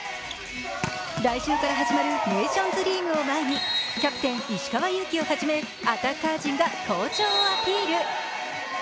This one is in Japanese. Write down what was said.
来週から始まるネーションズリーグを前にキャプテン・石川祐希をはじめアタッカー陣が好調をアピール！